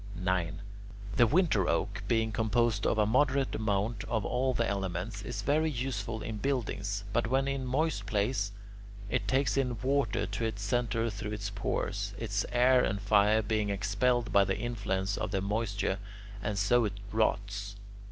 9. The winter oak, being composed of a moderate amount of all the elements, is very useful in buildings, but when in a moist place, it takes in water to its centre through its pores, its air and fire being expelled by the influence of the moisture, and so it rots.